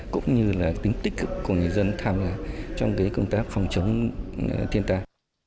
cũng như là tính tích cực của người dân tham gia trong công tác phòng chống thiên tai